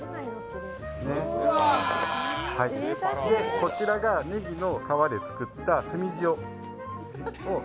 こちらが、ねぎの皮で作った炭塩。